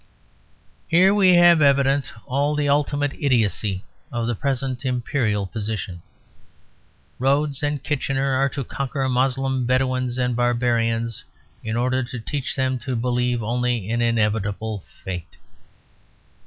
Here we have evident all the ultimate idiocy of the present Imperial position. Rhodes and Kitchener are to conquer Moslem bedouins and barbarians, in order to teach them to believe only in inevitable fate.